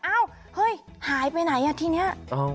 เอ้าเฮ้ยหายไปไหนอ่ะทีนี้